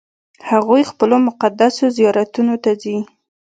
هغوی خپلو مقدسو زیارتونو ته ځي.